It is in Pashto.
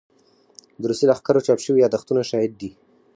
د روسي لښکرو چاپ شوي يادښتونه شاهد دي.